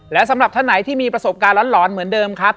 และสำหรับท่านไหนที่มีประสบการณ์หลอนเหมือนเดิมครับ